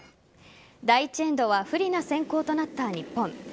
第１エンドは不利な先攻となった日本。